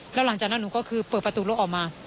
แล้วหลังจากนั้นหนูก็คือเปิดประตูรถออกมา